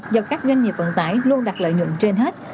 do các doanh nghiệp vận tải luôn đặt lợi nhuận trên hết